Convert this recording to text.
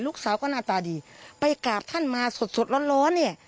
ลูกสาวก็หน้าตาดีไปกราบท่านมาสดสดร้อนร้อนเนี่ย